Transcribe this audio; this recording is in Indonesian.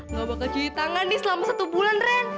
nggak bakal cuci tangan nih selama satu bulan ren